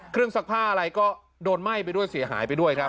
เครื่องศักดิ์ผ้าอะไรก็โดนไหม้ไปด้วยหายไปด้วยครับ